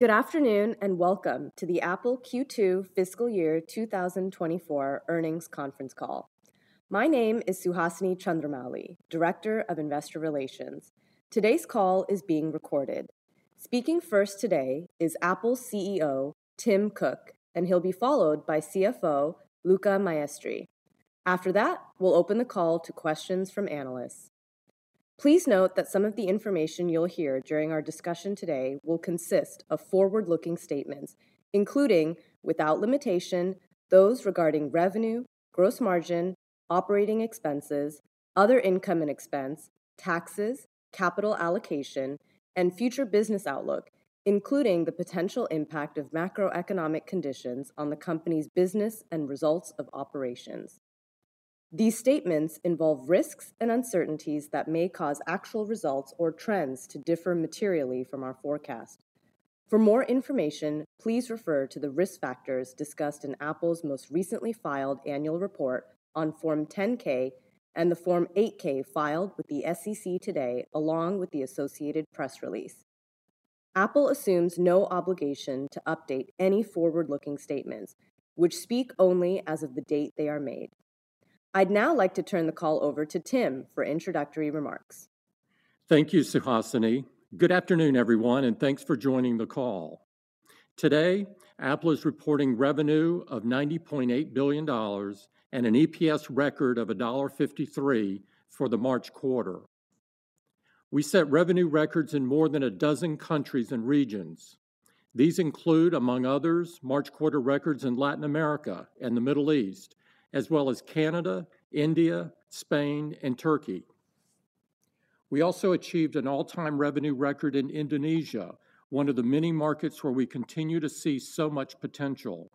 Good afternoon, and welcome to the Apple Q2 fiscal year 2024 earnings conference call. My name is Suhasini Chandramouli, Director of Investor Relations. Today's call is being recorded. Speaking first today is Apple's CEO, Tim Cook, and he'll be followed by CFO, Luca Maestri. After that, we'll open the call to questions from analysts. Please note that some of the information you'll hear during our discussion today will consist of forward-looking statements, including, without limitation, those regarding revenue, gross margin, operating expenses, other income and expense, taxes, capital allocation, and future business outlook, including the potential impact of macroeconomic conditions on the company's business and results of operations. These statements involve risks and uncertainties that may cause actual results or trends to differ materially from our forecast. For more information, please refer to the risk factors discussed in Apple's most recently filed annual report on Form 10-K and the Form 8-K filed with the SEC today, along with the associated press release. Apple assumes no obligation to update any forward-looking statements, which speak only as of the date they are made. I'd now like to turn the call over to Tim for introductory remarks. Thank you, Suhasini. Good afternoon, everyone, and thanks for joining the call. Today, Apple is reporting revenue of $90.8 billion and an EPS record of $1.53 for the March quarter. We set revenue records in more than a dozen countries and regions. These include, among others, March quarter records in Latin America and the Middle East, as well as Canada, India, Spain, and Turkey. We also achieved an all-time revenue record in Indonesia, one of the many markets where we continue to see so much potential.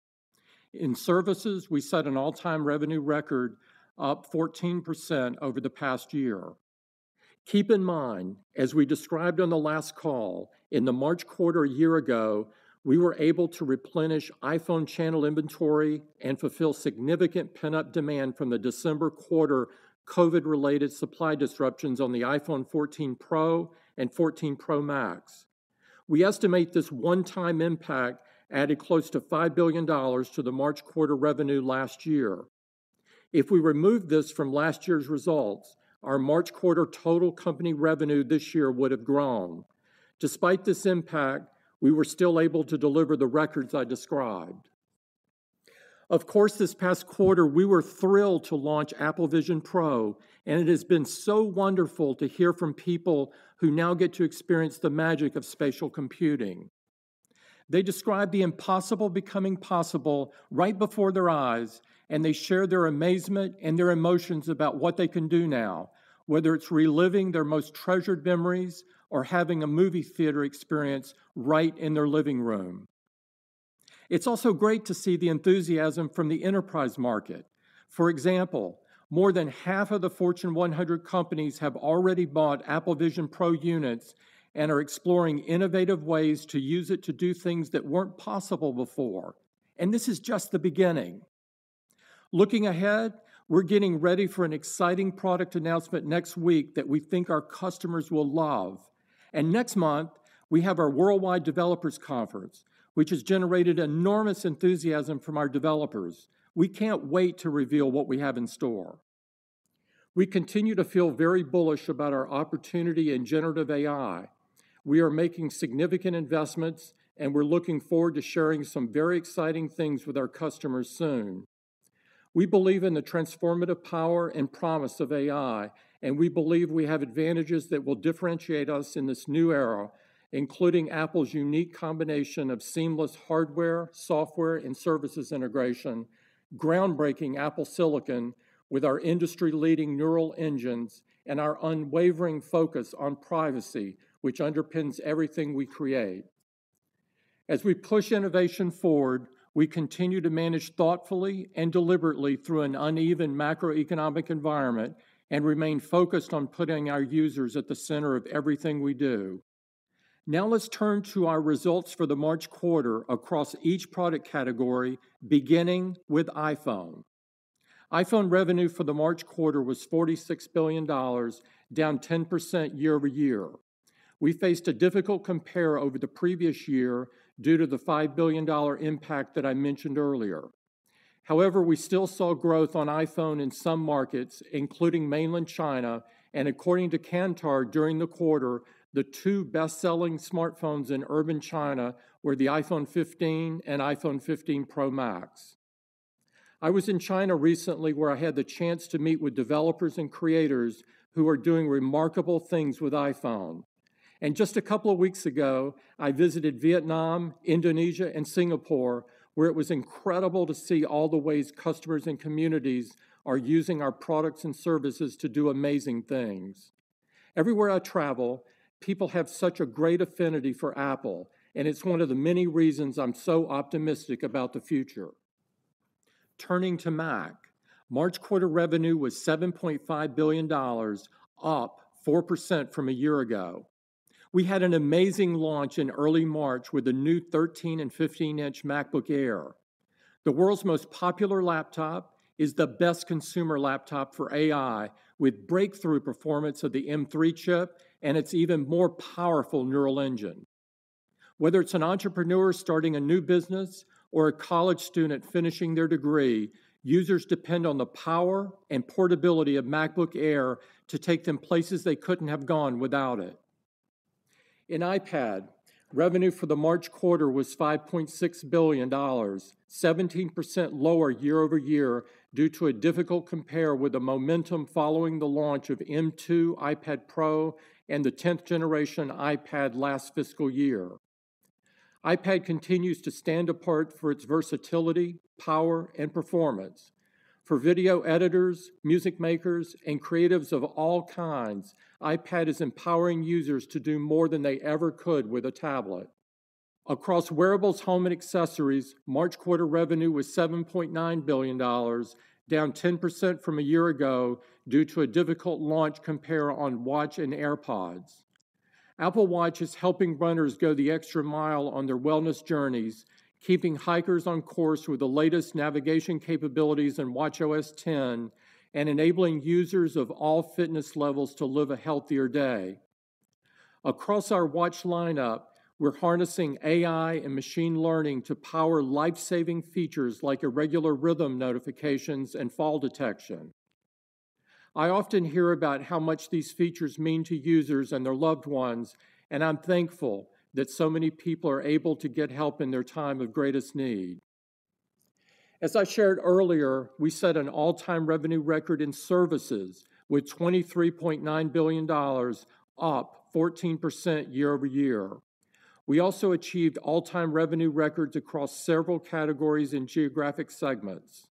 In services, we set an all-time revenue record, up 14% over the past year. Keep in mind, as we described on the last call, in the March quarter a year ago, we were able to replenish iPhone channel inventory and fulfill significant pent-up demand from the December quarter COVID-related supply disruptions on the iPhone 14 Pro and 14 Pro Max. We estimate this one-time impact added close to $5 billion to the March quarter revenue last year. If we removed this from last year's results, our March quarter total company revenue this year would have grown. Despite this impact, we were still able to deliver the records I described. Of course, this past quarter, we were thrilled to launch Apple Vision Pro, and it has been so wonderful to hear from people who now get to experience the magic of spatial computing. They describe the impossible becoming possible right before their eyes, and they share their amazement and their emotions about what they can do now, whether it's reliving their most treasured memories or having a movie theater experience right in their living room. It's also great to see the enthusiasm from the enterprise market. For example, more than half of the Fortune 100 companies have already bought Apple Vision Pro units and are exploring innovative ways to use it to do things that weren't possible before. This is just the beginning. Looking ahead, we're getting ready for an exciting product announcement next week that we think our customers will love. Next month, we have our Worldwide Developers Conference, which has generated enormous enthusiasm from our developers. We can't wait to reveal what we have in store. We continue to feel very bullish about our opportunity in generative AI. We are making significant investments, and we're looking forward to sharing some very exciting things with our customers soon. We believe in the transformative power and promise of AI, and we believe we have advantages that will differentiate us in this new era, including Apple's unique combination of seamless hardware, software, and services integration, groundbreaking Apple silicon with our industry-leading Neural Engines, and our unwavering focus on privacy, which underpins everything we create. As we push innovation forward, we continue to manage thoughtfully and deliberately through an uneven macroeconomic environment and remain focused on putting our users at the center of everything we do. Now let's turn to our results for the March quarter across each product category, beginning with iPhone. iPhone revenue for the March quarter was $46 billion, down 10% year-over-year. We faced a difficult compare over the previous year due to the $5 billion impact that I mentioned earlier. However, we still saw growth on iPhone in some markets, including Mainland China, and according to Kantar, during the quarter, the two best-selling smartphones in urban China were the iPhone 15 and iPhone 15 Pro Max. I was in China recently, where I had the chance to meet with developers and creators who are doing remarkable things with iPhone. Just a couple of weeks ago, I visited Vietnam, Indonesia, and Singapore, where it was incredible to see all the ways customers and communities are using our products and services to do amazing things. Everywhere I travel, people have such a great affinity for Apple, and it's one of the many reasons I'm so optimistic about the future. Turning to Mac, March quarter revenue was $7.5 billion, up 4% from a year ago. We had an amazing launch in early March with the new 13 in and 15 in MacBook Air.... The world's most popular laptop is the best consumer laptop for AI, with breakthrough performance of the M3 chip and its even more powerful Neural Engine. Whether it's an entrepreneur starting a new business or a college student finishing their degree, users depend on the power and portability of MacBook Air to take them places they couldn't have gone without it. In iPad, revenue for the March quarter was $5.6 billion, 17% lower year-over-year due to a difficult compare with the momentum following the launch of M2 iPad Pro and the 10th-generation iPad last fiscal year. iPad continues to stand apart for its versatility, power, and performance. For video editors, music makers, and creatives of all kinds, iPad is empowering users to do more than they ever could with a tablet. Across wearables, home, and accessories, March quarter revenue was $7.9 billion, down 10% from a year ago due to a difficult launch compare on Watch and AirPods. Apple Watch is helping runners go the extra mile on their wellness journeys, keeping hikers on course with the latest navigation capabilities in watchOS 10, and enabling users of all fitness levels to live a healthier day. Across our Watch lineup, we're harnessing AI and machine learning to power life-saving features like irregular rhythm notifications and fall detection. I often hear about how much these features mean to users and their loved ones, and I'm thankful that so many people are able to get help in their time of greatest need. As I shared earlier, we set an all-time revenue record in services with $23.9 billion, up 14% year-over-year. We also achieved all-time revenue records across several categories and geographic segments.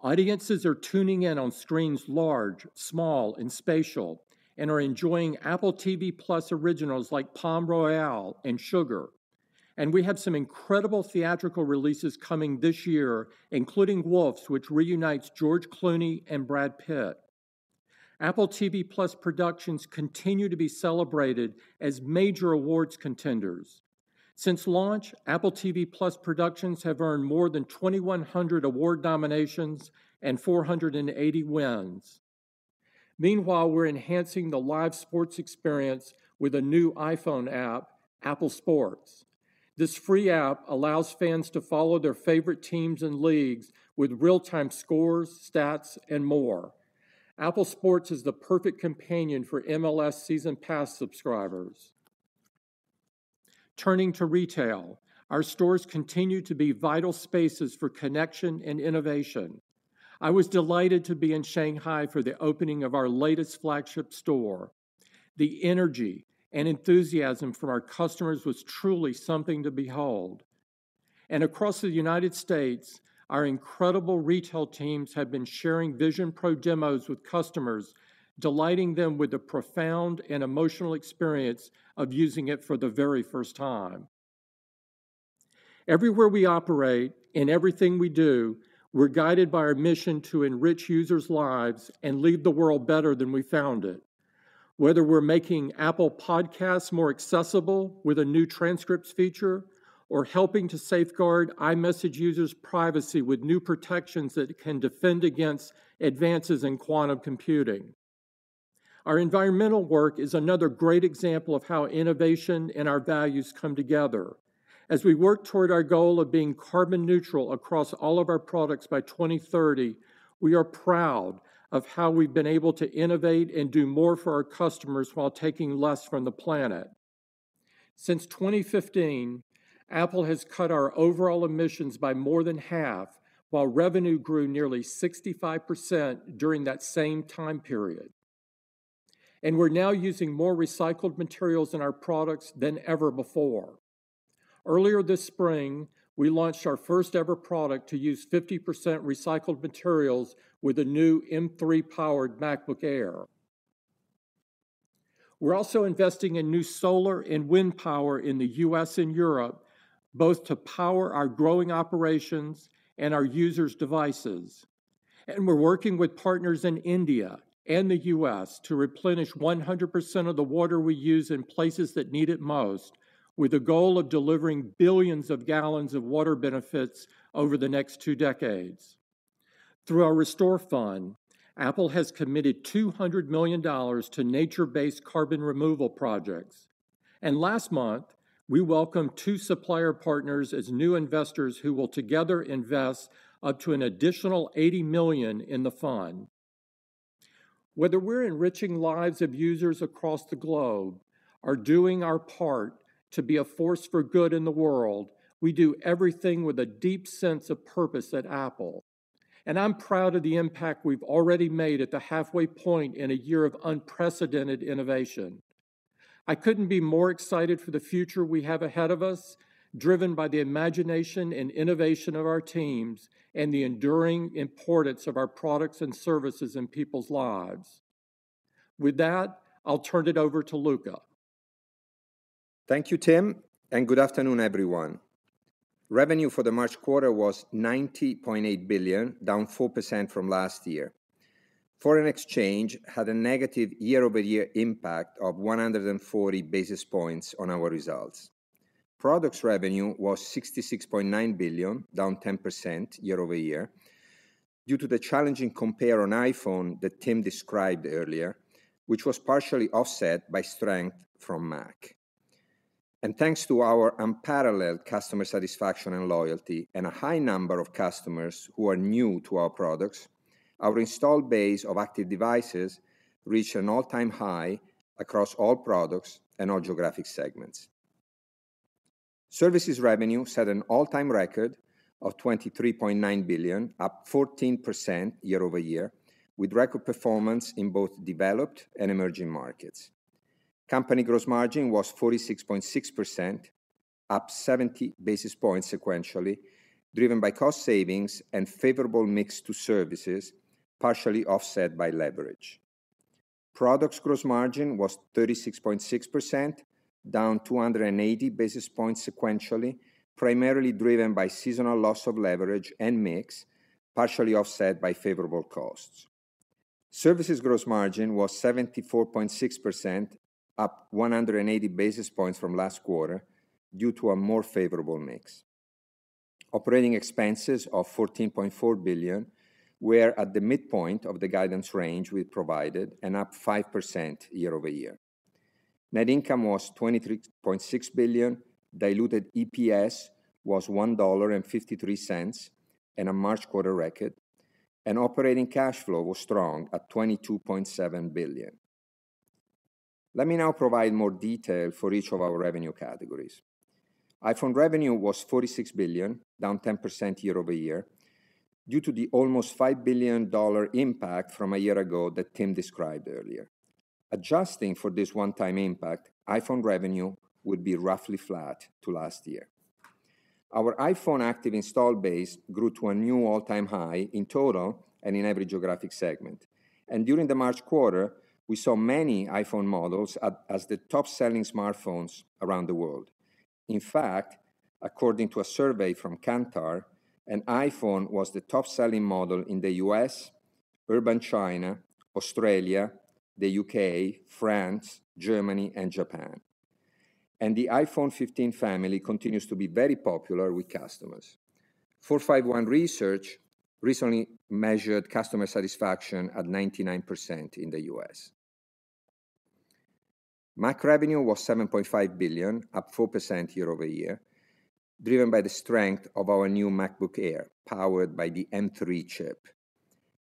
Audiences are tuning in on screens large, small, and spatial, and are enjoying Apple TV+ originals like Palm Royale and Sugar. And we have some incredible theatrical releases coming this year, including Wolfs, which reunites George Clooney and Brad Pitt. Apple TV+ productions continue to be celebrated as major awards contenders. Since launch, Apple TV+ productions have earned more than 2,100 award nominations and 480 wins. Meanwhile, we're enhancing the live sports experience with a new iPhone app, Apple Sports. This free app allows fans to follow their favorite teams and leagues with real-time scores, stats, and more. Apple Sports is the perfect companion for MLS Season Pass subscribers. Turning to retail, our stores continue to be vital spaces for connection and innovation. I was delighted to be in Shanghai for the opening of our latest flagship store. The energy and enthusiasm from our customers was truly something to behold. Across the United States, our incredible retail teams have been sharing Vision Pro demos with customers, delighting them with the profound and emotional experience of using it for the very first time. Everywhere we operate, in everything we do, we're guided by our mission to enrich users' lives and leave the world better than we found it. Whether we're making Apple Podcasts more accessible with a new transcripts feature or helping to safeguard iMessage users' privacy with new protections that can defend against advances in quantum computing. Our environmental work is another great example of how innovation and our values come together. As we work toward our goal of being carbon neutral across all of our products by 2030, we are proud of how we've been able to innovate and do more for our customers while taking less from the planet. Since 2015, Apple has cut our overall emissions by more than half, while revenue grew nearly 65% during that same time period. We're now using more recycled materials in our products than ever before. Earlier this spring, we launched our first-ever product to use 50% recycled materials with the new M3-powered MacBook Air. We're also investing in new solar and wind power in the U.S. and Europe, both to power our growing operations and our users' devices. We're working with partners in India and the U.S. to replenish 100% of the water we use in places that need it most, with a goal of delivering billions of gallons of water benefits over the next two decades. Through our Restore Fund, Apple has committed $200 million to nature-based carbon removal projects. Last month, we welcomed two supplier partners as new investors who will together invest up to an additional $80 million in the fund. Whether we're enriching lives of users across the globe or doing our part to be a force for good in the world, we do everything with a deep sense of purpose at Apple, and I'm proud of the impact we've already made at the halfway point in a year of unprecedented innovation. I couldn't be more excited for the future we have ahead of us, driven by the imagination and innovation of our teams and the enduring importance of our products and services in people's lives. With that, I'll turn it over to Luca. Thank you, Tim, and good afternoon, everyone. Revenue for the March quarter was $90.8 billion, down 4% from last year. Foreign exchange had a negative year-over-year impact of 140 basis points on our results. Products revenue was $66.9 billion, down 10% year-over-year, due to the challenging compare on iPhone that Tim described earlier, which was partially offset by strength from Mac. Thanks to our unparalleled customer satisfaction and loyalty and a high number of customers who are new to our products, our installed base of active devices reached an all-time high across all products and all geographic segments. Services revenue set an all-time record of $23.9 billion, up 14% year-over-year, with record performance in both developed and emerging markets. Company gross margin was 46.6%, up 70 basis points sequentially, driven by cost savings and favorable mix to services, partially offset by leverage. Products gross margin was 36.6%, down 280 basis points sequentially, primarily driven by seasonal loss of leverage and mix, partially offset by favorable costs. Services gross margin was 74.6%, up 180 basis points from last quarter due to a more favorable mix. Operating expenses of $14.4 billion were at the midpoint of the guidance range we provided and up 5% year-over-year. Net income was $23.6 billion. Diluted EPS was $1.53, and a March quarter record, and operating cash flow was strong at $22.7 billion. Let me now provide more detail for each of our revenue categories. iPhone revenue was $46 billion, down 10% year-over-year, due to the almost $5 billion impact from a year ago that Tim described earlier. Adjusting for this one-time impact, iPhone revenue would be roughly flat to last year. Our iPhone active installed base grew to a new all-time high in total and in every geographic segment. During the March quarter, we saw many iPhone models as the top-selling smartphones around the world. In fact, according to a survey from Kantar, an iPhone was the top-selling model in the U.S., urban China, Australia, the U.K., France, Germany, and Japan. The iPhone 15 family continues to be very popular with customers. 451 Research recently measured customer satisfaction at 99% in the U.S. Mac revenue was $7.5 billion, up 4% year-over-year, driven by the strength of our new MacBook Air, powered by the M3 chip.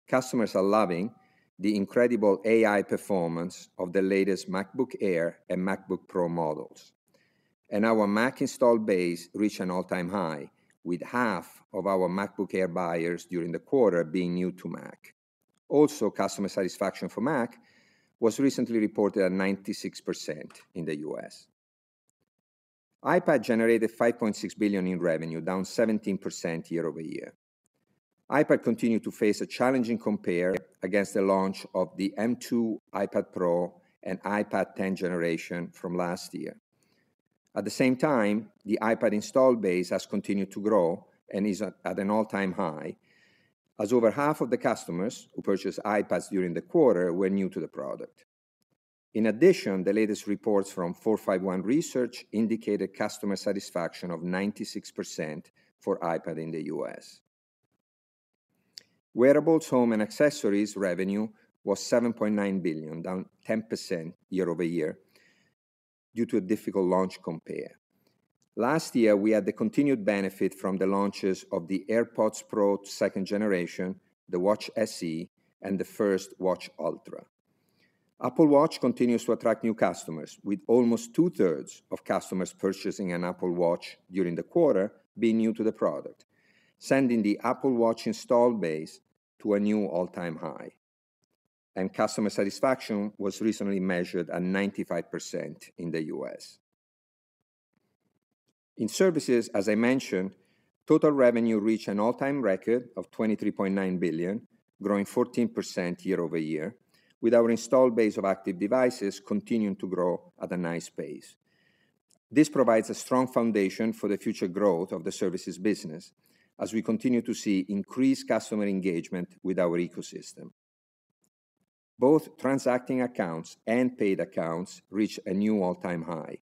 Customers are loving the incredible AI performance of the latest MacBook Air and MacBook Pro models, and our Mac installed base reached an all-time high, with half of our MacBook Air buyers during the quarter being new to Mac. Also, customer satisfaction for Mac was recently reported at 96% in the U.S. iPad generated $5.6 billion in revenue, down 17% year-over-year. iPad continued to face a challenging compare against the launch of the M2 iPad Pro and iPad 10th generation from last year. At the same time, the iPad installed base has continued to grow and is at an all-time high, as over half of the customers who purchased iPads during the quarter were new to the product. In addition, the latest reports from 451 Research indicated customer satisfaction of 96% for iPad in the U.S. Wearables, Home, and Accessories revenue was $7.9 billion, down 10% year-over-year due to a difficult launch compare. Last year, we had the continued benefit from the launches of the AirPods Pro 2nd Generation, the Watch SE, and the first Watch Ultra. Apple Watch continues to attract new customers, with almost two-thirds of customers purchasing an Apple Watch during the quarter being new to the product, sending the Apple Watch installed base to a new all-time high. And customer satisfaction was recently measured at 95% in the U.S. In services, as I mentioned, total revenue reached an all-time record of $23.9 billion, growing 14% year-over-year, with our installed base of active devices continuing to grow at a nice pace. This provides a strong foundation for the future growth of the services business as we continue to see increased customer engagement with our ecosystem. Both transacting accounts and paid accounts reached a new all-time high,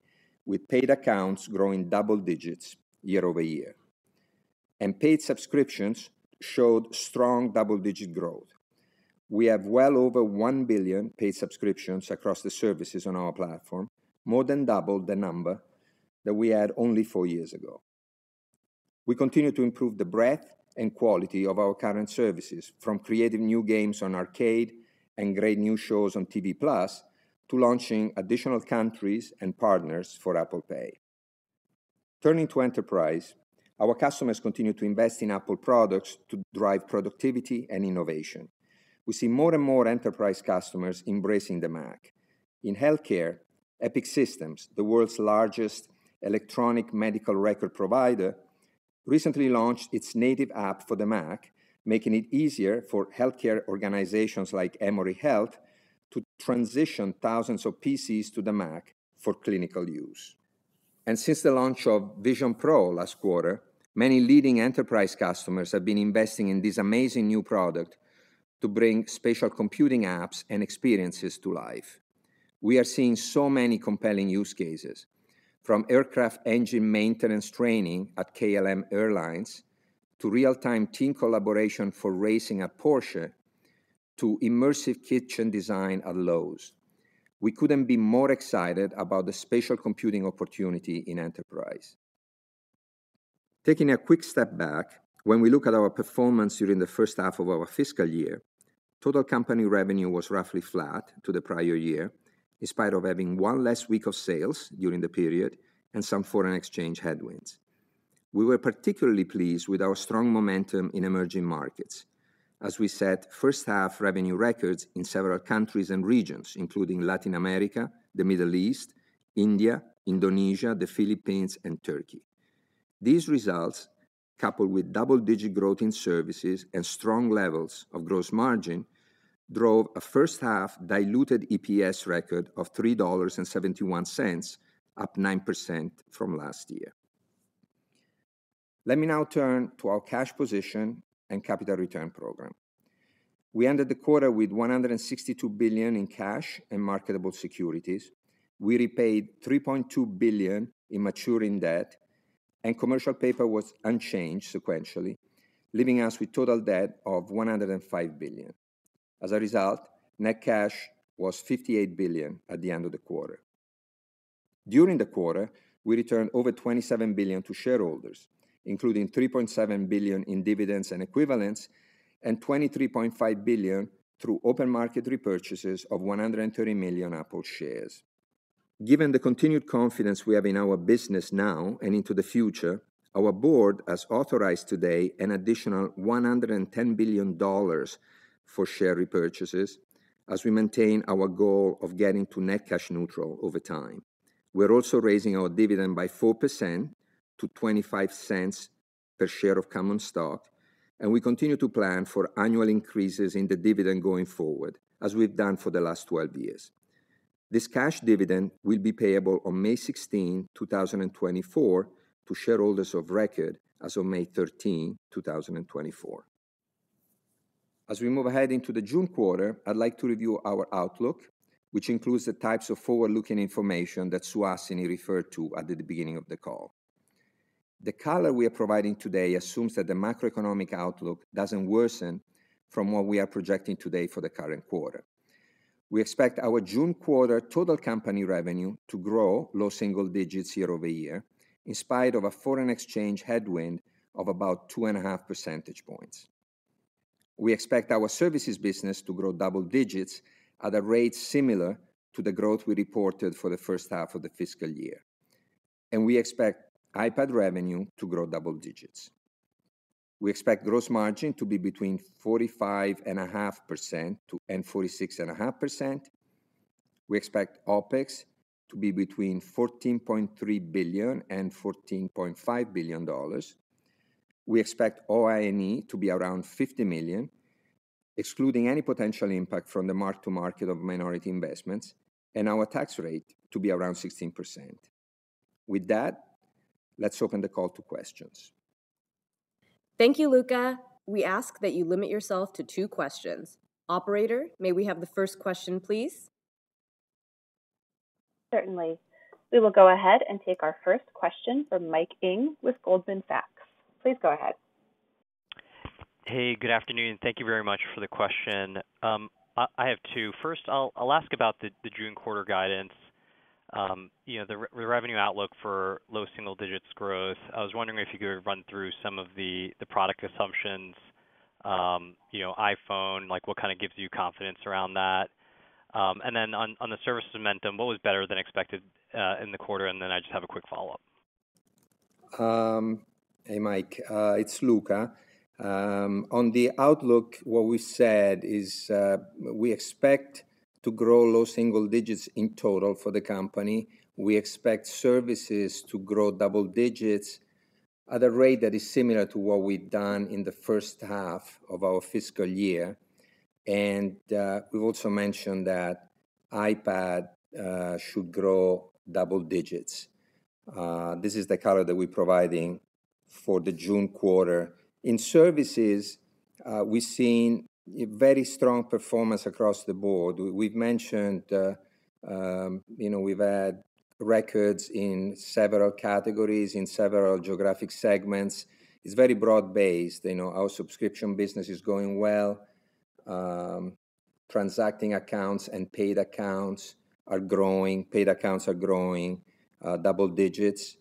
with paid accounts growing double digits year-over-year, and paid subscriptions showed strong double-digit growth. We have well over 1 billion paid subscriptions across the services on our platform, more than double the number that we had only 4 years ago. We continue to improve the breadth and quality of our current services, from creating new games on Arcade and great new shows on TV+ to launching additional countries and partners for Apple Pay. Turning to enterprise, our customers continue to invest in Apple products to drive productivity and innovation. We see more and more enterprise customers embracing the Mac. In healthcare, Epic Systems, the world's largest electronic medical record provider, recently launched its native app for the Mac, making it easier for healthcare organizations like Emory Healthcare to transition thousands of PCs to the Mac for clinical use. And since the launch of Vision Pro last quarter, many leading enterprise customers have been investing in this amazing new product to bring spatial computing apps and experiences to life. We are seeing so many compelling use cases, from aircraft engine maintenance training at KLM Airlines, to real-time team collaboration for racing at Porsche, to immersive kitchen design at Lowe's. We couldn't be more excited about the spatial computing opportunity in enterprise. Taking a quick step back, when we look at our performance during the first half of our fiscal year, total company revenue was roughly flat to the prior year, in spite of having one less week of sales during the period and some foreign exchange headwinds. We were particularly pleased with our strong momentum in emerging markets. As we set first half revenue records in several countries and regions, including Latin America, the Middle East, India, Indonesia, the Philippines, and Turkey. These results, coupled with double-digit growth in services and strong levels of gross margin, drove a first-half diluted EPS record of $3.71, up 9% from last year. Let me now turn to our cash position and capital return program. We ended the quarter with $162 billion in cash and marketable securities. We repaid $3.2 billion in maturing debt, and commercial paper was unchanged sequentially, leaving us with total debt of $105 billion. As a result, net cash was $58 billion at the end of the quarter. During the quarter, we returned over $27 billion to shareholders, including $3.7 billion in dividends and equivalents, and $23.5 billion through open market repurchases of 130 million Apple shares. Given the continued confidence we have in our business now and into the future, our board has authorized today an additional $110 billion for share repurchases, as we maintain our goal of getting to net cash neutral over time. We're also raising our dividend by 4% to $0.25 per share of common stock, and we continue to plan for annual increases in the dividend going forward, as we've done for the last 12 years. This cash dividend will be payable on May 16, 2024, to shareholders of record as of May 13, 2024. As we move ahead into the June quarter, I'd like to review our outlook, which includes the types of forward-looking information that Suhasini referred to at the beginning of the call. The color we are providing today assumes that the macroeconomic outlook doesn't worsen from what we are projecting today for the current quarter. We expect our June quarter total company revenue to grow low single digits year-over-year, in spite of a foreign exchange headwind of about 2.5 percentage points. We expect our services business to grow double digits at a rate similar to the growth we reported for the first half of the fiscal year, and we expect iPad revenue to grow double digits. We expect gross margin to be between 45.5% and 46.5%. We expect OpEx to be between $14.3 billion and $14.5 billion. We expect OI&E to be around $50 million, excluding any potential impact from the mark to market of minority investments, and our tax rate to be around 16%. With that, let's open the call to questions. Thank you, Luca. We ask that you limit yourself to two questions. Operator, may we have the first question, please? Certainly. We will go ahead and take our first question from Mike Ng with Goldman Sachs. Please go ahead. Hey, good afternoon. Thank you very much for the question. I have two. First, I'll ask about the June quarter guidance. You know, the revenue outlook for low single digits growth. I was wondering if you could run through some of the product assumptions, you know, iPhone, like, what kind of gives you confidence around that? And then on the service momentum, what was better than expected in the quarter? And then I just have a quick follow-up. Hey, Mike, it's Luca. On the outlook, what we said is, we expect to grow low single digits in total for the company. We expect services to grow double digits at a rate that is similar to what we've done in the first half of our fiscal year. We've also mentioned that iPad should grow double digits. This is the color that we're providing for the June quarter. In services, we've seen a very strong performance across the board. You know, we've had records in several categories, in several geographic segments. It's very broad-based, you know. Our subscription business is going well. Transacting accounts and paid accounts are growing. Paid accounts are growing double digits.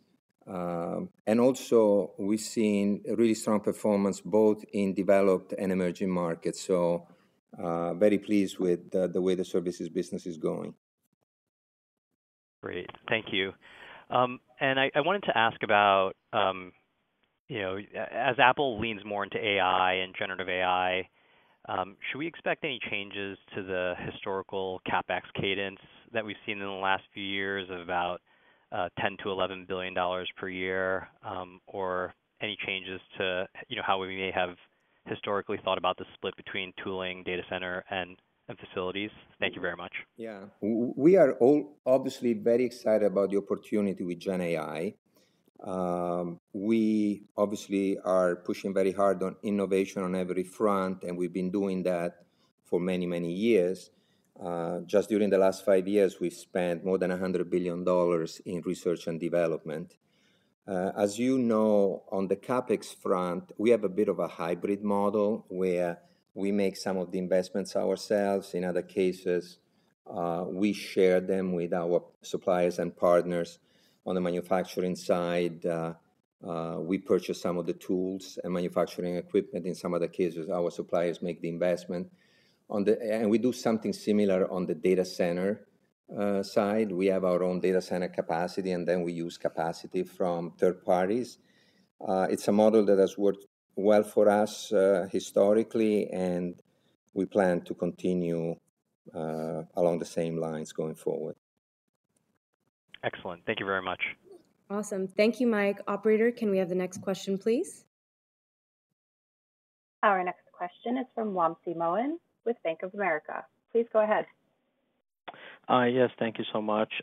And also, we've seen a really strong performance both in developed and emerging markets, so, very pleased with the way the services business is going. Great. Thank you. And I wanted to ask about, you know, as Apple leans more into AI and generative AI, should we expect any changes to the historical CapEx cadence that we've seen in the last few years of about $10 billion-$11 billion per year, or any changes to, you know, how we may have historically thought about the split between tooling, data center, and facilities? Thank you very much. Yeah. We are all obviously very excited about the opportunity with Gen AI. We obviously are pushing very hard on innovation on every front, and we've been doing that for many, many years. Just during the last five years, we've spent more than $100 billion in research and development. As you know, on the CapEx front, we have a bit of a hybrid model where we make some of the investments ourselves. In other cases, we share them with our suppliers and partners. On the manufacturing side, we purchase some of the tools and manufacturing equipment. In some other cases, our suppliers make the investment. And we do something similar on the data center side. We have our own data center capacity, and then we use capacity from third parties. It's a model that has worked well for us historically, and we plan to continue along the same lines going forward. Excellent. Thank you very much. Awesome. Thank you, Mike. Operator, can we have the next question, please? Our next question is from Wamsi Mohan with Bank of America. Please go ahead. Yes, thank you so much.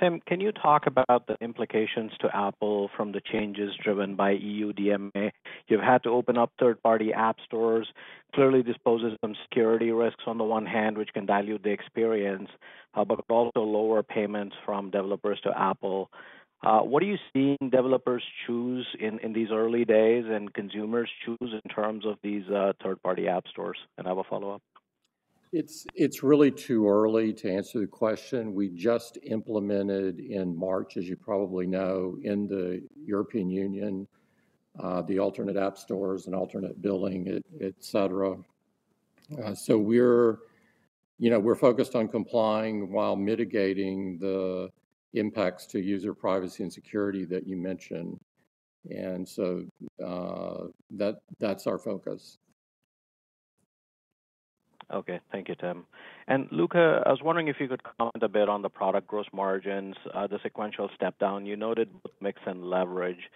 Tim, can you talk about the implications to Apple from the changes driven by EU DMA? You've had to open up third-party app stores. Clearly, this poses some security risks on the one hand, which can dilute the experience, but also lower payments from developers to Apple. What are you seeing developers choose in these early days, and consumers choose in terms of these third-party app stores? And I have a follow-up. It's really too early to answer the question. We just implemented in March, as you probably know, in the European Union, the alternate app stores and alternate billing, et cetera. So we're, you know, focused on complying while mitigating the impacts to user privacy and security that you mentioned. And so, that's our focus. Okay. Thank you, Tim. And Luca, I was wondering if you could comment a bit on the product gross margins, the sequential step down? You noted both mix and leverage.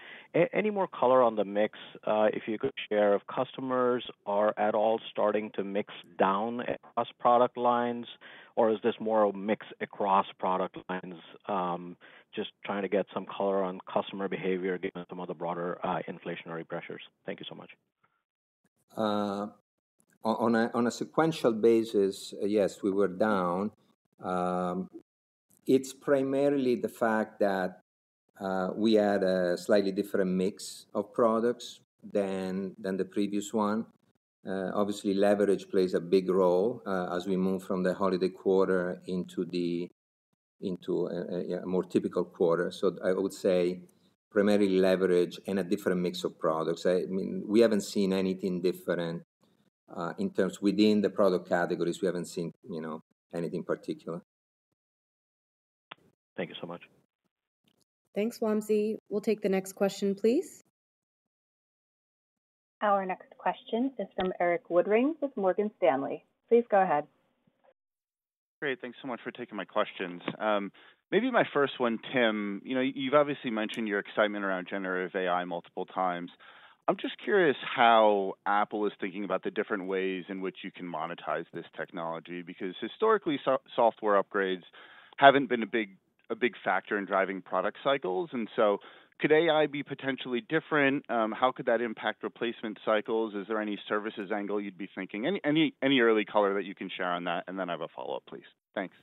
Any more color on the mix, if you could share, if customers are at all starting to mix down across product lines, or is this more a mix across product lines? Just trying to get some color on customer behavior, given some of the broader, inflationary pressures. Thank you so much. On a sequential basis, yes, we were down. It's primarily the fact that we had a slightly different mix of products than the previous one. Obviously, leverage plays a big role as we move from the holiday quarter into a more typical quarter. So I would say primarily leverage and a different mix of products. I mean, we haven't seen anything different in terms within the product categories. We haven't seen, you know, anything particular. Thank you so much. Thanks, Wamsi. We'll take the next question, please. Our next question is from Erik Woodring with Morgan Stanley. Please go ahead. Great. Thanks so much for taking my questions. Maybe my first one, Tim, you know, you've obviously mentioned your excitement around generative AI multiple times. I'm just curious how Apple is thinking about the different ways in which you can monetize this technology, because historically, software upgrades haven't been a big, a big factor in driving product cycles, and so could AI be potentially different? How could that impact replacement cycles? Is there any services angle you'd be thinking? Any, any, any early color that you can share on that, and then I have a follow-up, please. Thanks.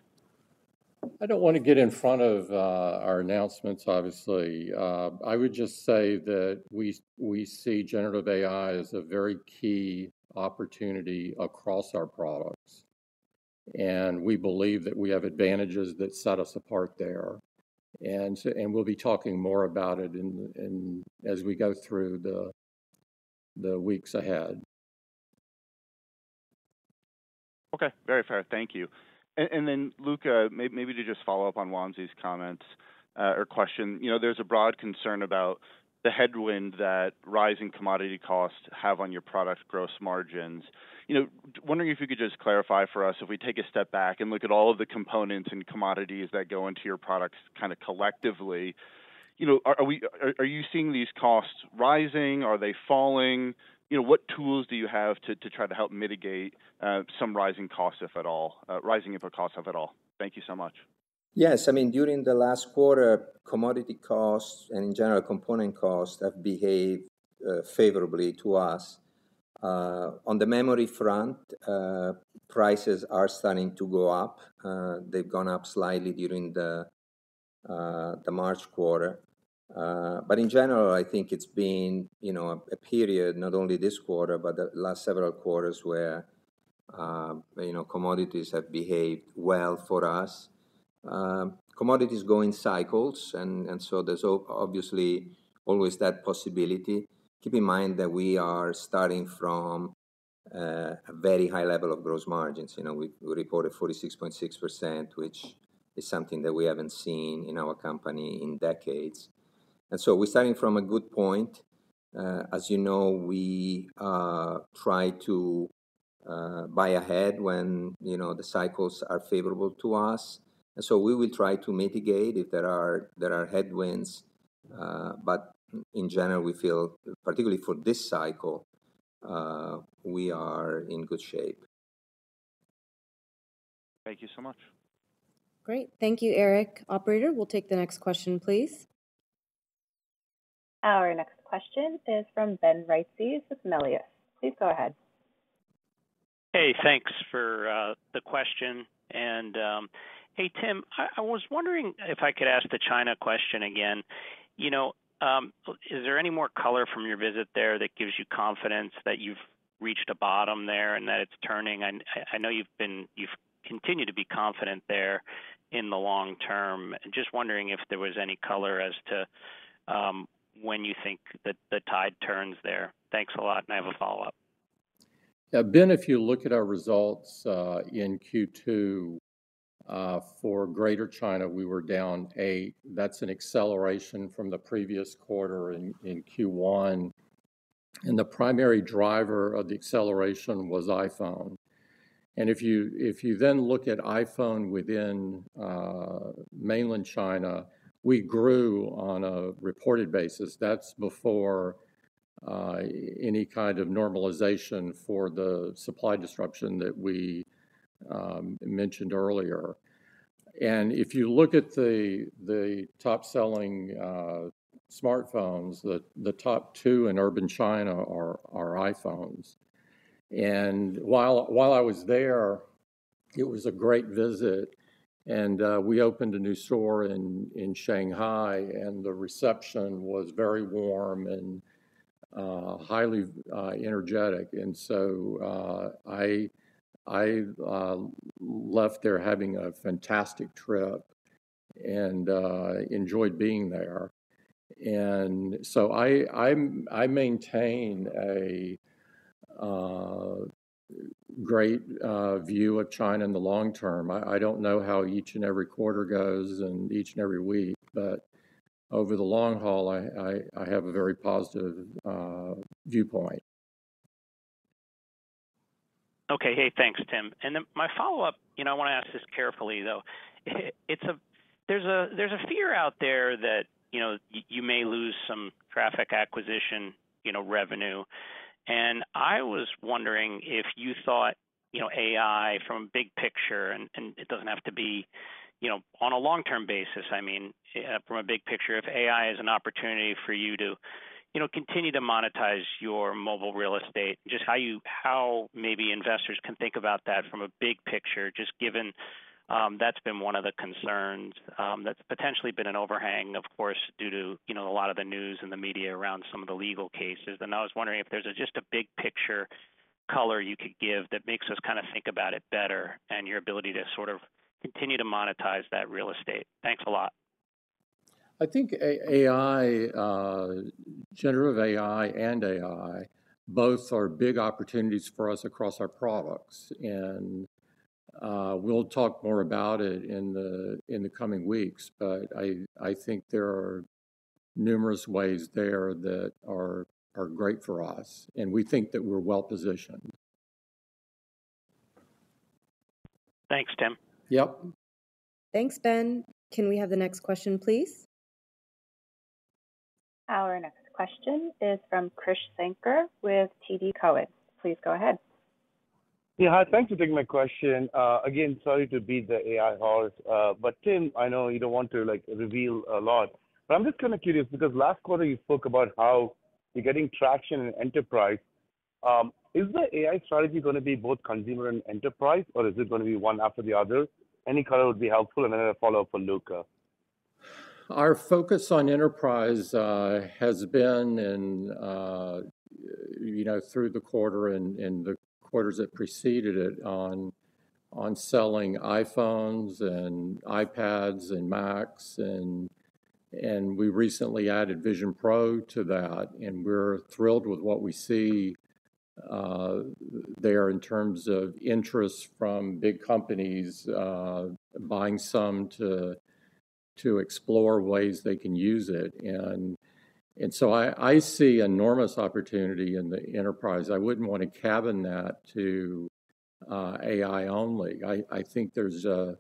I don't want to get in front of our announcements, obviously. I would just say that we see generative AI as a very key opportunity across our products, and we believe that we have advantages that set us apart there. And we'll be talking more about it in as we go through the weeks ahead. Okay. Very fair. Thank you. And then, Luca, maybe to just follow up on Wamsi's comments or question, you know, there's a broad concern about the headwind that rising commodity costs have on your product gross margins. You know, wondering if you could just clarify for us, if we take a step back and look at all of the components and commodities that go into your products kind of collectively. You know, are you seeing these costs rising? Are they falling? You know, what tools do you have to try to help mitigate some rising costs, if at all, rising input costs, if at all? Thank you so much. Yes. I mean, during the last quarter, commodity costs and in general, component costs have behaved favorably to us. On the memory front, prices are starting to go up. They've gone up slightly during the March quarter. But in general, I think it's been, you know, a period, not only this quarter, but the last several quarters, where, you know, commodities have behaved well for us. Commodities go in cycles, and so there's obviously always that possibility. Keep in mind that we are starting from a very high level of gross margins. You know, we reported 46.6%, which is something that we haven't seen in our company in decades. And so we're starting from a good point. As you know, we try to-... Buy ahead when, you know, the cycles are favorable to us. And so we will try to mitigate if there are headwinds. But in general, we feel, particularly for this cycle, we are in good shape. Thank you so much. Great. Thank you, Eric. Operator, we'll take the next question, please. Our next question is from Ben Reitzes with Melius. Please go ahead. Hey, thanks for the question, and hey, Tim, I was wondering if I could ask the China question again? You know, is there any more color from your visit there that gives you confidence that you've reached a bottom there and that it's turning? I know you've been, you've continued to be confident there in the long term. Just wondering if there was any color as to when you think that the tide turns there. Thanks a lot, and I have a follow-up. Ben, if you look at our results in Q2 for Greater China, we were down 8. That's an acceleration from the previous quarter, Q1, and the primary driver of the acceleration was iPhone. And if you then look at iPhone within mainland China, we grew on a reported basis. That's before any kind of normalization for the supply disruption that we mentioned earlier. And if you look at the top-selling smartphones, the top 2 in urban China are iPhones. And while I was there, it was a great visit, and we opened a new store in Shanghai, and the reception was very warm and highly energetic. And so I left there having a fantastic trip and enjoyed being there. And so I maintain a great view of China in the long term. I don't know how each and every quarter goes and each and every week, but over the long haul, I have a very positive viewpoint. Okay. Hey, thanks, Tim. And then my follow-up, you know, I want to ask this carefully, though. It's a – there's a fear out there that, you know, you may lose some traffic acquisition, you know, revenue. And I was wondering if you thought, you know, AI from a big picture, and it doesn't have to be, you know, on a long-term basis, I mean, from a big picture, if AI is an opportunity for you to, you know, continue to monetize your mobile real estate, just how you, how maybe investors can think about that from a big picture, just given that's been one of the concerns, that's potentially been an overhang, of course, due to, you know, a lot of the news and the media around some of the legal cases. I was wondering if there's a, just a big picture color you could give that makes us kind of think about it better and your ability to sort of continue to monetize that real estate? Thanks a lot. I think AI, generative AI and AI both are big opportunities for us across our products, and we'll talk more about it in the coming weeks. But I think there are numerous ways there that are great for us, and we think that we're well positioned. Thanks, Tim. Yep. Thanks, Ben. Can we have the next question, please? Our next question is from Krish Sankar with TD Cowen. Please go ahead. Yeah, hi. Thanks for taking my question. Again, sorry to beat the AI horse, but Tim, I know you don't want to, like, reveal a lot, but I'm just kind of curious, because last quarter you spoke about how you're getting traction in enterprise. Is the AI strategy going to be both consumer and enterprise, or is it going to be one after the other? Any color would be helpful, and then a follow-up for Luca. Our focus on enterprise has been, and you know, through the quarter and the quarters that preceded it on selling iPhones and iPads and Macs, and we recently added Vision Pro to that, and we're thrilled with what we see there in terms of interest from big companies buying some to explore ways they can use it. And so I see enormous opportunity in the enterprise. I wouldn't want to cabin that to AI only. I think there's a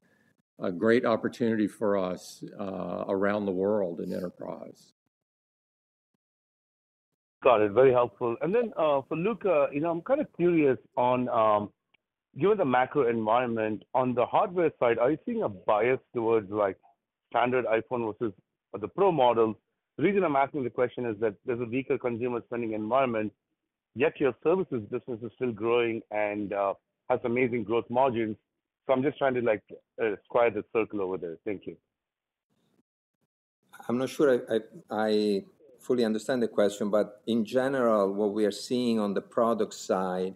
great opportunity for us around the world in enterprise. Got it. Very helpful. And then, for Luca, you know, I'm kind of curious on, given the macro environment, on the hardware side, are you seeing a bias towards, like, standard iPhone versus the Pro model? The reason I'm asking the question is that there's a weaker consumer spending environment, yet your services business is still growing and has amazing growth margins. So I'm just trying to, like, square the circle over there. Thank you. I'm not sure I fully understand the question, but in general, what we are seeing on the product side,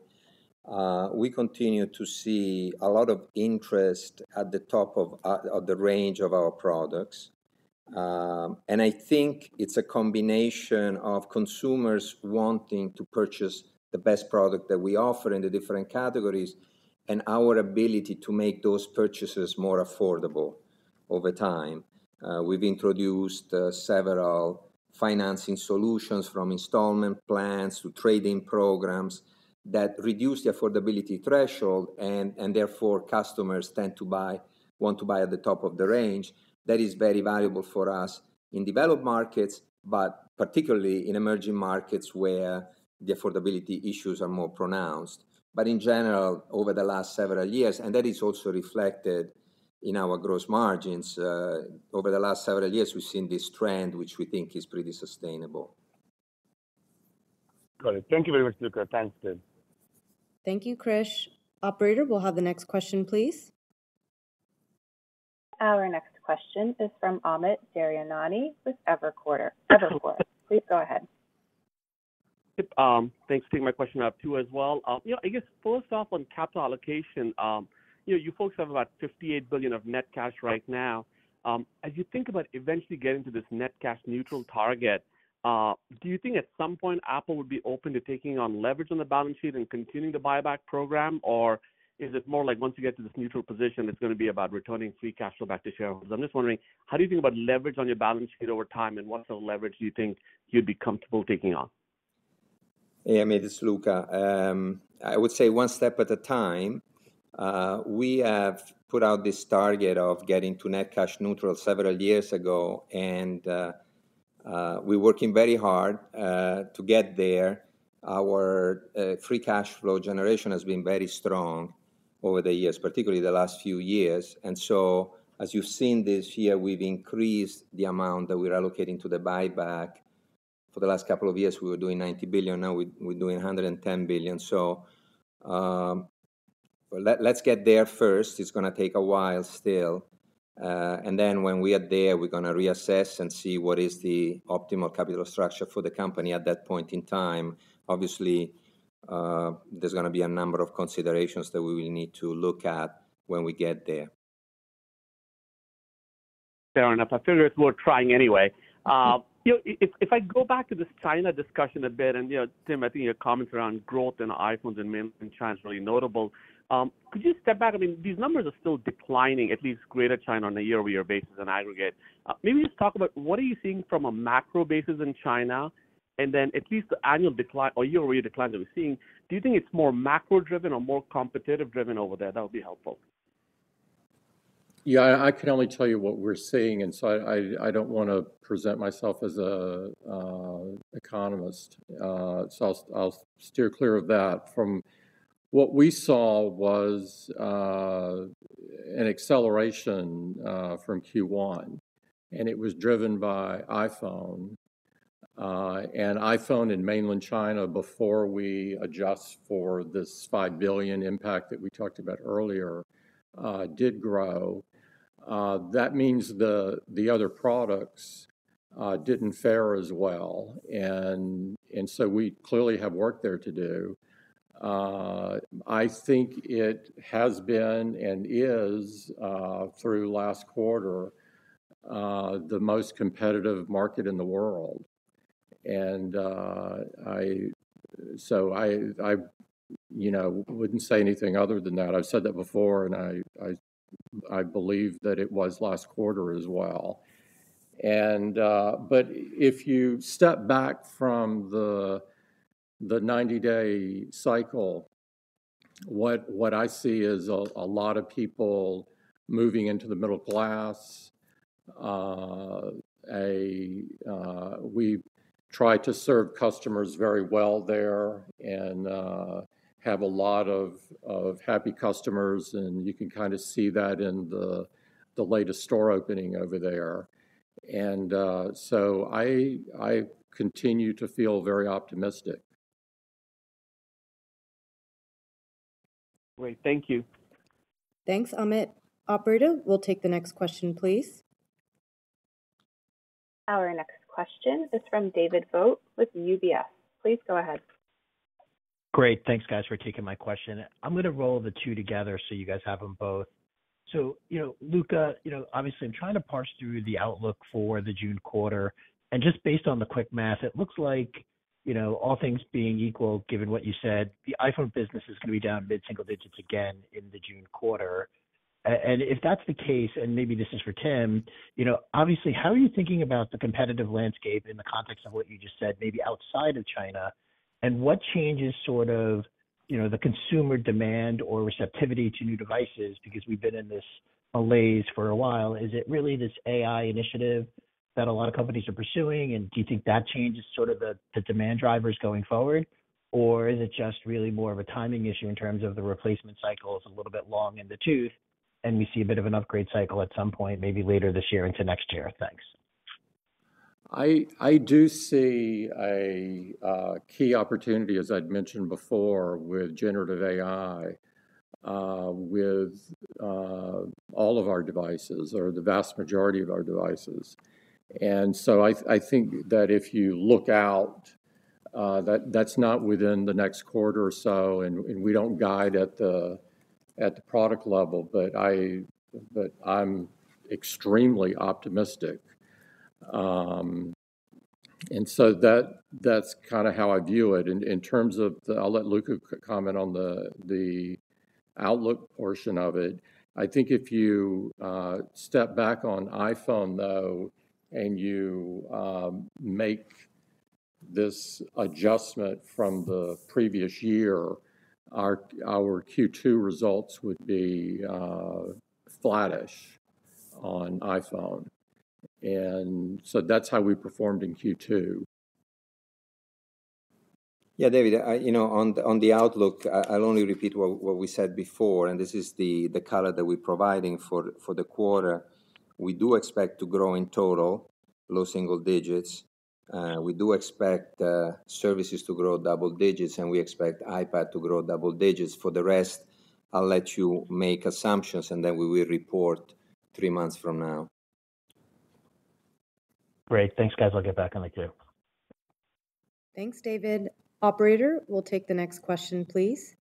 we continue to see a lot of interest at the top of the range of our products. And I think it's a combination of consumers wanting to purchase the best product that we offer in the different categories and our ability to make those purchases more affordable over time. We've introduced several financing solutions, from installment plans to trade-in programs, that reduce the affordability threshold, and therefore, customers tend to buy-want to buy at the top of the range. That is very valuable for us in developed markets, but particularly in emerging markets, where the affordability issues are more pronounced. But in general, over the last several years, and that is also reflected in our gross margins. Over the last several years, we've seen this trend, which we think is pretty sustainable. Got it. Thank you very much, Luca. Thanks, Tim. Thank you, Krish. Operator, we'll have the next question, please. Our next question is from Amit Daryanani with Evercore. Please go ahead. Yep, thanks for taking my question up too as well. You know, I guess first off, on capital allocation, you know, you folks have about $58 billion of net cash right now. As you think about eventually getting to this net cash neutral target, do you think at some point Apple would be open to taking on leverage on the balance sheet and continuing the buyback program? Or is it more like once you get to this neutral position, it's gonna be about returning free cash flow back to shareholders? I'm just wondering, how do you think about leverage on your balance sheet over time, and what sort of leverage do you think you'd be comfortable taking on? Hey, Amit, this is Luca. I would say one step at a time. We have put out this target of getting to net cash neutral several years ago, and we're working very hard to get there. Our free cash flow generation has been very strong over the years, particularly the last few years. And so, as you've seen this year, we've increased the amount that we're allocating to the buyback. For the last couple of years, we were doing $90 billion. Now we're doing $110 billion. So, let's get there first. It's gonna take a while still. And then when we are there, we're gonna reassess and see what is the optimal capital structure for the company at that point in time. Obviously, there's gonna be a number of considerations that we will need to look at when we get there. Fair enough. I figured it's worth trying anyway. You know, if I go back to this China discussion a bit, and, you know, Tim, I think your comments around growth in iPhones in mainland China is really notable. Could you step back? I mean, these numbers are still declining, at least Greater China, on a year-over-year basis in aggregate. Maybe just talk about what are you seeing from a macro basis in China, and then at least the annual decline or year-over-year decline that we're seeing, do you think it's more macro-driven or more competitive-driven over there? That would be helpful. Yeah, I can only tell you what we're seeing, and so I don't wanna present myself as a economist, so I'll steer clear of that. From what we saw was an acceleration from Q1, and it was driven by iPhone. And iPhone in Mainland China, before we adjust for this $5 billion impact that we talked about earlier, did grow. That means the other products didn't fare as well, and so we clearly have work there to do. I think it has been and is through last quarter the most competitive market in the world. So I you know, wouldn't say anything other than that. I've said that before, and I believe that it was last quarter as well. But if you step back from the 90-day cycle, what I see is a lot of people moving into the middle class. We've tried to serve customers very well there and have a lot of happy customers, and you can kind of see that in the latest store opening over there. So I continue to feel very optimistic. Great. Thank you. Thanks, Amit. Operator, we'll take the next question, please. Our next question is from David Vogt with UBS. Please go ahead. Great. Thanks, guys, for taking my question. I'm gonna roll the two together so you guys have them both. So, you know, Luca, you know, obviously, I'm trying to parse through the outlook for the June quarter, and just based on the quick math, it looks like, you know, all things being equal, given what you said, the iPhone business is gonna be down mid-single digits again in the June quarter. And if that's the case, and maybe this is for Tim, you know, obviously, how are you thinking about the competitive landscape in the context of what you just said, maybe outside of China? And what changes sort of, you know, the consumer demand or receptivity to new devices, because we've been in this malaise for a while? Is it really this AI initiative that a lot of companies are pursuing, and do you think that changes sort of the demand drivers going forward? Or is it just really more of a timing issue in terms of the replacement cycle is a little bit long in the tooth, and we see a bit of an upgrade cycle at some point, maybe later this year into next year? Thanks. I do see a key opportunity, as I'd mentioned before, with generative AI, with all of our devices or the vast majority of our devices. And so I think that if you look out, that's not within the next quarter or so, and we don't guide at the product level, but I'm extremely optimistic. And so that's kind of how I view it. In terms of the outlook portion of it, I'll let Luca comment on it. I think if you step back on iPhone, though, and you make this adjustment from the previous year, our Q2 results would be flattish on iPhone. And so that's how we performed in Q2. Yeah, David, you know, on the outlook, I'll only repeat what we said before, and this is the color that we're providing for the quarter. We do expect to grow in total low single digits. We do expect services to grow double digits, and we expect iPad to grow double digits. For the rest, I'll let you make assumptions, and then we will report three months from now. Great. Thanks, guys. I'll get back in the queue. Thanks, David. Operator, we'll take the next question, please.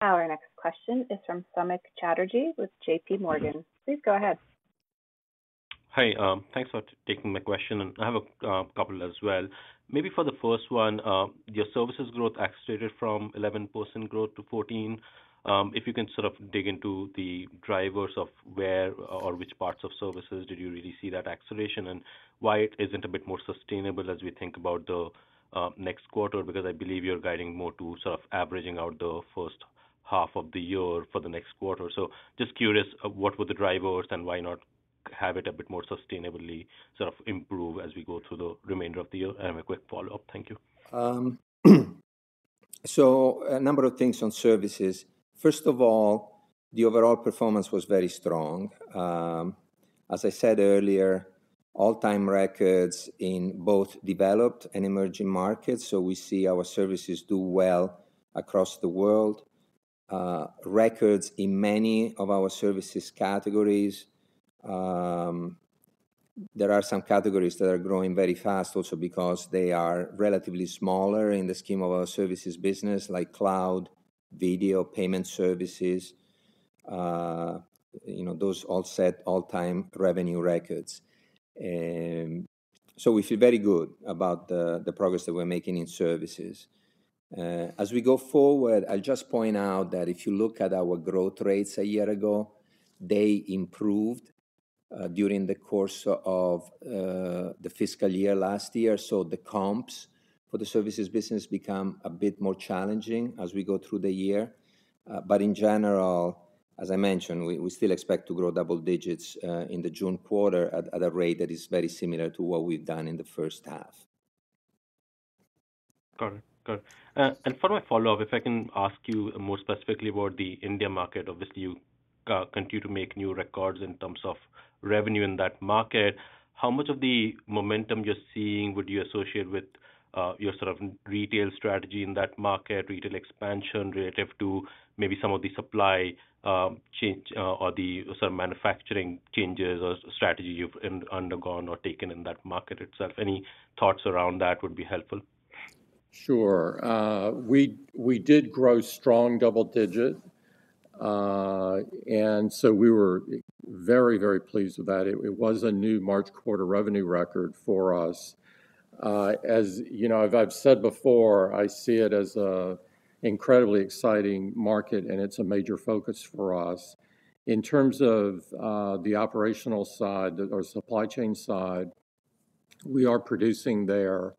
Our next question is from Samik Chatterjee with JPMorgan. Please go ahead. Hi, thanks for taking my question, and I have a couple as well. Maybe for the first one, your services growth accelerated from 11% growth to 14%. If you can sort of dig into the drivers of where or which parts of services did you really see that acceleration? And why it isn't a bit more sustainable as we think about the next quarter, because I believe you're guiding more to sort of averaging out the first half of the year for the next quarter. So just curious, what were the drivers, and why not have it a bit more sustainably sort of improve as we go through the remainder of the year? I have a quick follow-up. Thank you. So a number of things on services. First of all, the overall performance was very strong. As I said earlier, all-time records in both developed and emerging markets, so we see our services do well across the world. Records in many of our services categories. There are some categories that are growing very fast also because they are relatively smaller in the scheme of our services business, like cloud, video, payment services. You know, those all set all-time revenue records. So we feel very good about the progress that we're making in services. As we go forward, I'll just point out that if you look at our growth rates a year ago, they improved during the course of the fiscal year last year. So the comps for the services business become a bit more challenging as we go through the year. But in general, as I mentioned, we, we still expect to grow double digits, in the June quarter at, at a rate that is very similar to what we've done in the first half. Got it. Got it. And for my follow-up, if I can ask you more specifically about the India market. Obviously, you continue to make new records in terms of revenue in that market. How much of the momentum you're seeing would you associate with your sort of retail strategy in that market, retail expansion, relative to maybe some of the supply change or the sort of manufacturing changes or strategy you've undergone or taken in that market itself? Any thoughts around that would be helpful. Sure. We did grow strong double-digit, and so we were very, very pleased with that. It was a new March quarter revenue record for us. As you know, I've said before, I see it as a incredibly exciting market, and it's a major focus for us. In terms of the operational side or supply chain side, we are producing there.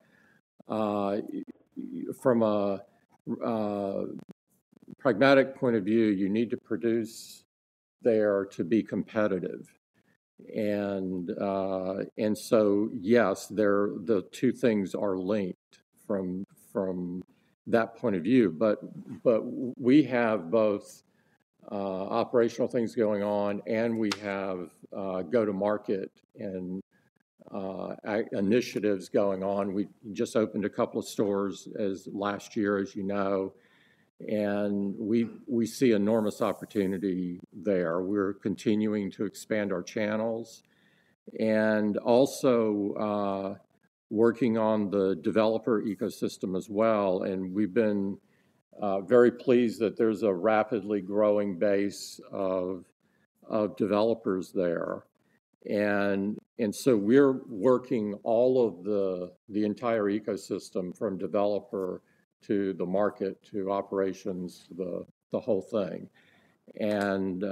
From a pragmatic point of view, you need to produce there to be competitive. And so, yes, they're the two things are linked from that point of view. But we have both operational things going on, and we have go-to-market and AI initiatives going on. We just opened a couple of stores as last year, as you know, and we see enormous opportunity there. We're continuing to expand our channels and also working on the developer ecosystem as well, and we've been very pleased that there's a rapidly growing base of developers there. And so we're working all of the entire ecosystem, from developer to the market, to operations, the whole thing. And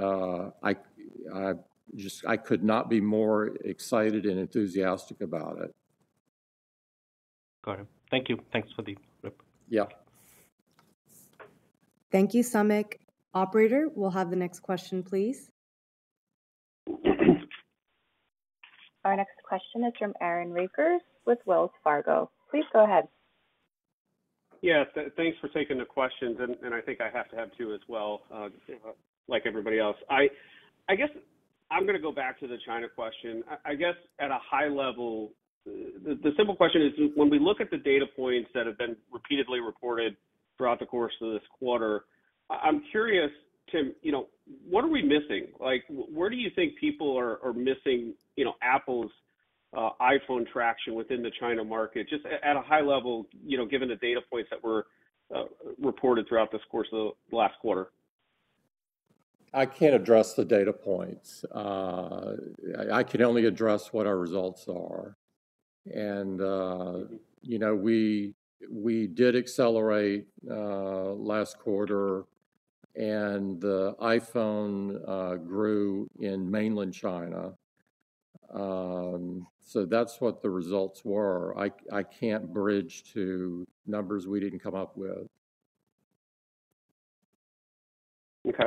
I just could not be more excited and enthusiastic about it. Got it. Thank you. Thanks for the input. Yeah. Thank you, Samik. Operator, we'll have the next question, please. Our next question is from Aaron Rakers with Wells Fargo. Please go ahead. Yeah, thanks for taking the questions, and I think I have to have two as well, like everybody else. I guess I'm going to go back to the China question. I guess at a high level, the simple question is, when we look at the data points that have been repeatedly reported throughout the course of this quarter, I'm curious, Tim, you know, what are we missing? Like, where do you think people are missing, you know, Apple's iPhone traction within the China market, just at a high level, you know, given the data points that were reported throughout the course of the last quarter?... I can't address the data points. I can only address what our results are. And, you know, we did accelerate last quarter, and the iPhone grew in Mainland China. So that's what the results were. I can't bridge to numbers we didn't come up with. Okay.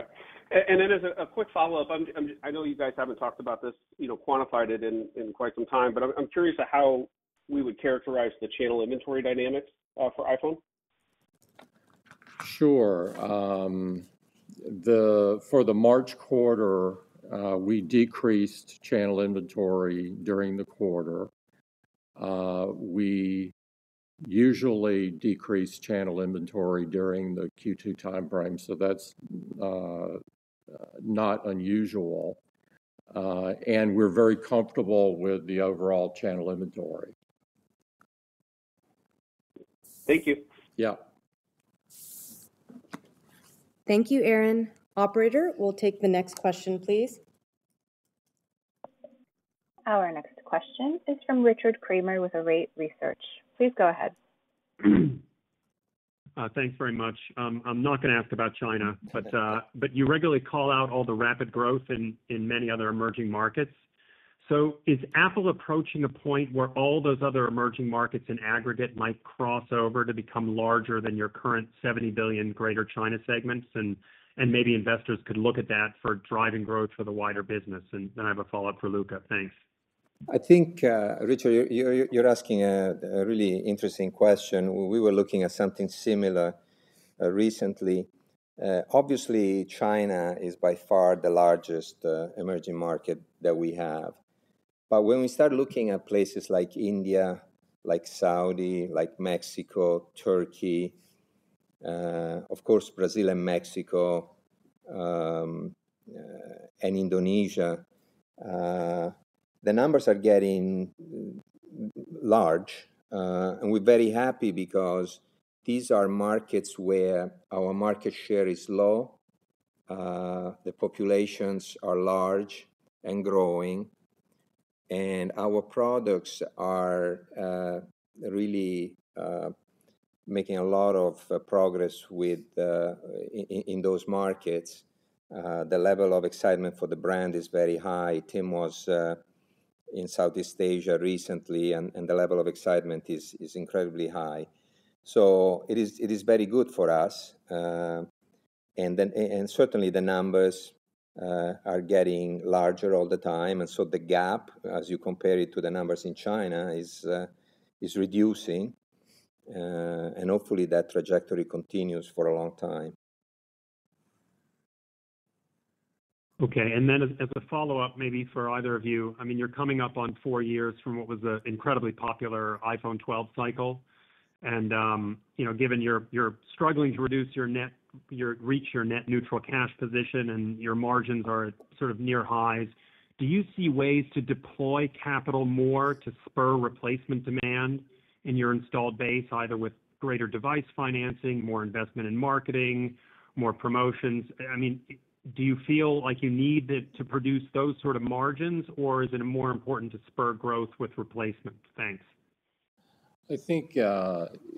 And then as a quick follow-up, I'm—I know you guys haven't talked about this, you know, quantified it in quite some time, but I'm curious to how we would characterize the channel inventory dynamics for iPhone. Sure. For the March quarter, we decreased channel inventory during the quarter. We usually decrease channel inventory during the Q2 timeframe, so that's not unusual, and we're very comfortable with the overall channel inventory. Thank you. Yeah. Thank you, Aaron. Operator, we'll take the next question, please. Our next question is from Richard Kramer with Arete Research. Please go ahead. Thanks very much. I'm not going to ask about China, but you regularly call out all the rapid growth in many other emerging markets. So is Apple approaching a point where all those other emerging markets in aggregate might cross over to become larger than your current $70 billion Greater China segments? And maybe investors could look at that for driving growth for the wider business? And then I have a follow-up for Luca. Thanks. I think, Richard, you're asking a really interesting question. We were looking at something similar recently. Obviously, China is by far the largest emerging market that we have. But when we start looking at places like India, like Saudi, like Mexico, Turkey, of course, Brazil and Mexico, and Indonesia, the numbers are getting large. And we're very happy because these are markets where our market share is low, the populations are large and growing, and our products are really making a lot of progress with the—in those markets. The level of excitement for the brand is very high. Tim was in Southeast Asia recently, and the level of excitement is incredibly high. So it is very good for us. And then certainly the numbers are getting larger all the time, and so the gap, as you compare it to the numbers in China, is reducing, and hopefully that trajectory continues for a long time. Okay. And then as a follow-up, maybe for either of you, I mean, you're coming up on four years from what was an incredibly popular iPhone 12 cycle, and, you know, given you're struggling to reach your net cash neutral position and your margins are sort of near highs, do you see ways to deploy capital more to spur replacement demand in your installed base, either with greater device financing, more investment in marketing, more promotions? I mean, do you feel like you need it to produce those sort of margins, or is it more important to spur growth with replacements? Thanks. I think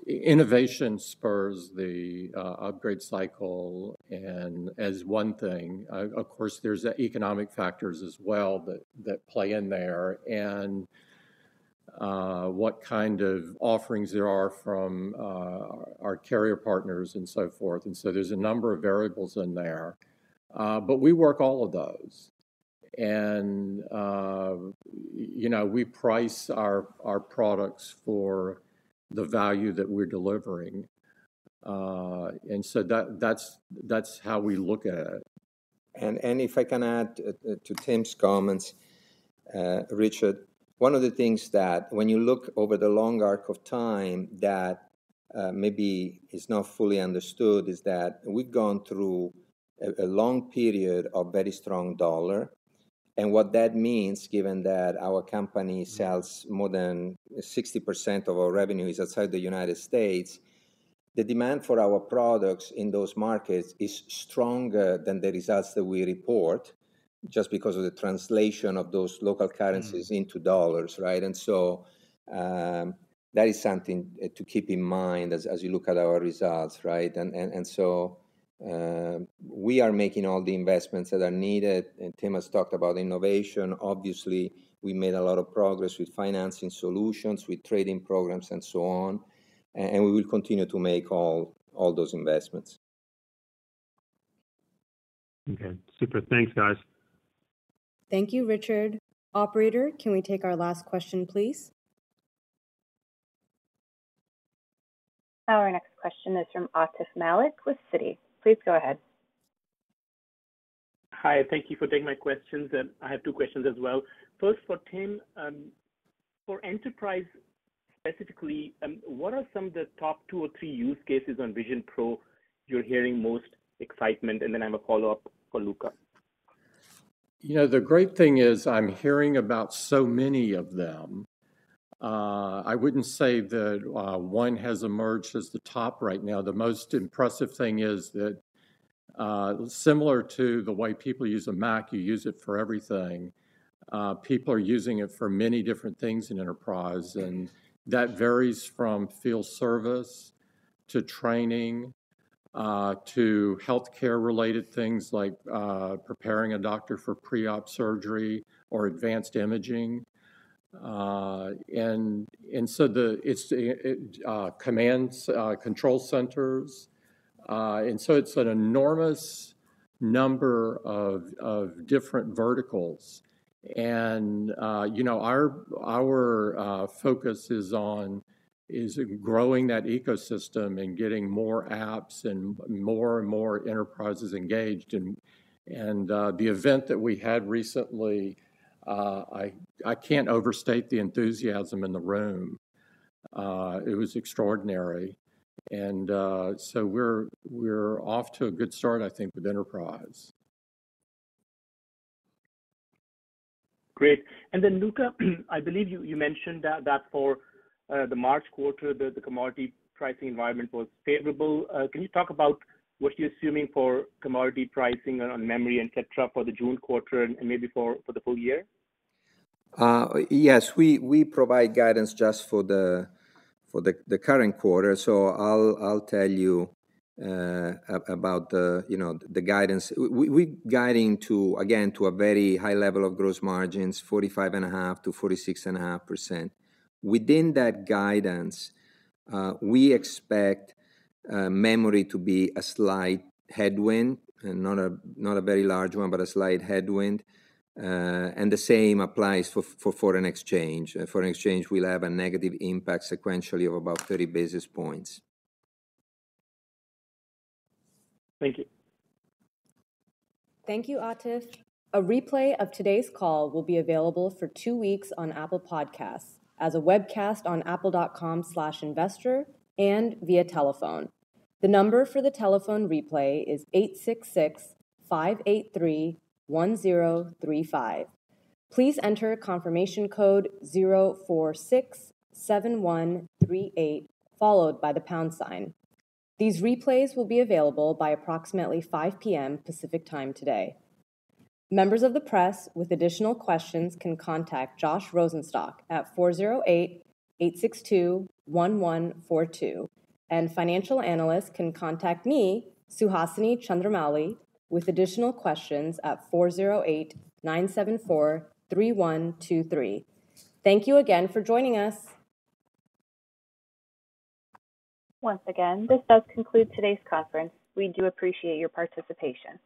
innovation spurs the upgrade cycle and as one thing. Of course, there's economic factors as well that play in there, and what kind of offerings there are from our carrier partners and so forth. And so there's a number of variables in there, but we work all of those. And you know, we price our products for the value that we're delivering. And so that's how we look at it. And if I can add to Tim's comments, Richard, one of the things that when you look over the long arc of time that maybe is not fully understood is that we've gone through a long period of very strong dollar. And what that means, given that our company sells more than 60% of our revenue is outside the United States, the demand for our products in those markets is stronger than the results that we report, just because of the translation of those local currencies into dollars, right? And so, that is something to keep in mind as you look at our results, right? And so, we are making all the investments that are needed, and Tim has talked about innovation. Obviously, we made a lot of progress with financing solutions, with trade-in programs, and so on, and we will continue to make all those investments. Okay. Super. Thanks, guys. Thank you, Richard. Operator, can we take our last question, please? Our next question is from Atif Malik with Citi. Please go ahead. Hi, thank you for taking my questions, and I have two questions as well. First, for Tim, for enterprise, specifically, what are some of the top two or three use cases on Vision Pro you're hearing most excitement? And then I have a follow-up for Luca. ... You know, the great thing is I'm hearing about so many of them. I wouldn't say that one has emerged as the top right now. The most impressive thing is that, similar to the way people use a Mac, you use it for everything. People are using it for many different things in enterprise, and that varies from field service to training, to healthcare-related things like preparing a doctor for pre-op surgery or advanced imaging. And so it commands control centers. And so it's an enormous number of different verticals. And you know, our focus is on growing that ecosystem and getting more apps and more and more enterprises engaged. And the event that we had recently, I can't overstate the enthusiasm in the room. It was extraordinary. And so we're off to a good start, I think, with enterprise. Great. And then, Luca, I believe you mentioned that for the March quarter, the commodity pricing environment was favorable. Can you talk about what you're assuming for commodity pricing on memory, et cetera, for the June quarter and maybe for the full year? Yes, we provide guidance just for the current quarter, so I'll tell you about the, you know, the guidance. We're guiding to, again, to a very high level of gross margins, 45.5%-46.5%. Within that guidance, we expect memory to be a slight headwind and not a very large one, but a slight headwind. And the same applies for foreign exchange. Foreign exchange will have a negative impact sequentially of about 30 basis points. Thank you. Thank you, Atif. A replay of today's call will be available for two weeks on Apple Podcasts as a webcast on apple.com/investor and via telephone. The number for the telephone replay is eight six six five eight three one zero three five. Please enter confirmation code zero four six seven one three eight, followed by the pound sign. These replays will be available by approximately 5:00 P.M. Pacific Time today. Members of the press with additional questions can contact Josh Rosenstock at four zero eight eight six two one one four two, and financial analysts can contact me, Suhasini Chandramouli, with additional questions at four zero eight nine seven four three one two three. Thank you again for joining us. Once again, this does conclude today's conference. We do appreciate your participation.